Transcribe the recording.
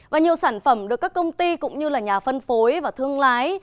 và nhiều sản phẩm được các công ty cũng như là nhà phân phối và thương lái